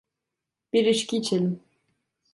Bir içki içelim.